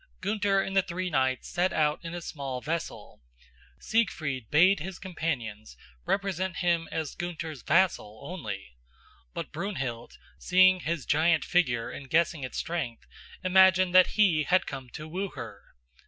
Gunther and the three knights set out in a small vessel. Siegfried bade his companions represent him as Gunther's vassal only; but Brunhild, seeing his giant figure and guessing its strength, imagined that he had come to woo her.